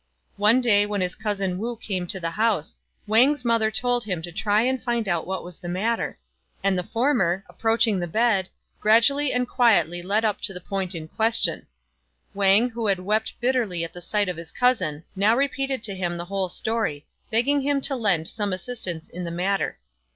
One day when his cousin Wu came to the house, Wang's mother told him to try and find out what was the matter ; and the former, approaching the bed, gradually and quietly led up to the point in question. Wang, who had wept bitterly at the sight of his cousin, now repeated to him the whole story, begging him to lend some assistance in the matter.